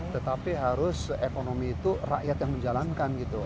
tetapi harus ekonomi itu rakyat yang menjalankan gitu